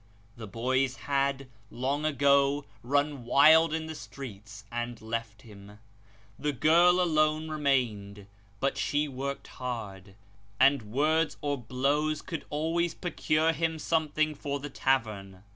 The boys had, long ago, run wild in the streets, and left him ; the girl alone remained, but she worked hard, and words or blows could always procure him something for the tavern.